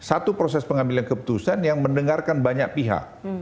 satu proses pengambilan keputusan yang mendengarkan banyak pihak